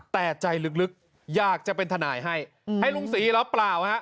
แต่ใจลึกอยากจะเป็นทนายให้ให้ลุงศรีหรือเปล่าฮะ